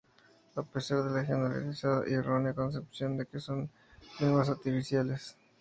A pesar de la generalizada y errónea concepción de que son "lenguas artificiales".